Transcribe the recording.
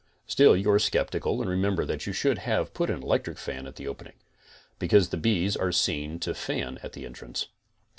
Still you are skeptical and remember that you should have put an electric fan at the opening, because the bees are seen to fan at the entrance.